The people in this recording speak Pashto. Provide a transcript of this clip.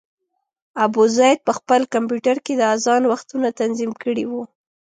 ابوزید په خپل کمپیوټر کې د اذان وختونه تنظیم کړي وو.